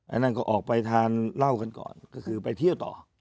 อันนั้นก็ออกไปทานเหล้ากันก่อนก็คือไปเที่ยวต่อ